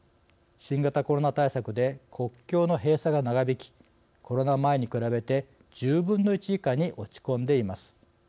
新型コロナ対策で国境の閉鎖が長引きコロナ前に比べて１０分の１以下に落ち込んでいます。